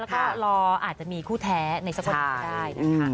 เพราะรออาจจะมีคู่แท้ในสักวันได้นะคะ